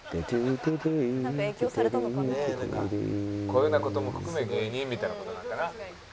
「こういうような事も含め芸人みたいな事なんかな？」